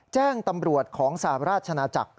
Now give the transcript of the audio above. แจ้งตำรวจของสหราชนาจักร